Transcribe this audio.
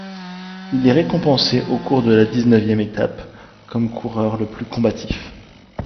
Il est récompensé au cours de la dix-neuvième étape comme coureur le plus combatif.